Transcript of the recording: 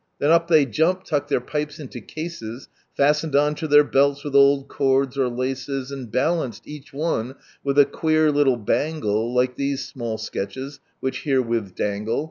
— Then up they jump, inck their pipes into cases Fastened on (o their belts with old cords or laces. And balanced, each one, with a queer little bangle Like these &mall sketches, which herewith dangle.